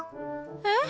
えっ？